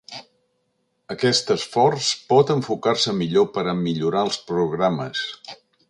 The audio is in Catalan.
Aquest esforç pot enfocar-se millor per a millorar els programes.